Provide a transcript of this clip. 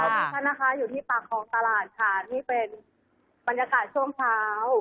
นี่เป็นบรรยากาศช่วงเช้า